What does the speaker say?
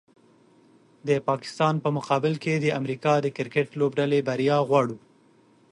د پاکستان په مقابل کې د امریکا د کرکټ لوبډلې بریا غواړو